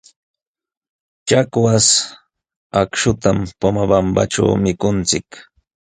Chakwaśh akśhutam Pomabambaćhu mikunchik.